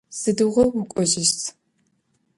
Сыдыгъо укӏожьыщт?